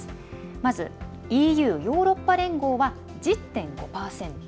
まずＥＵ＝ヨーロッパ連合は１０．５％。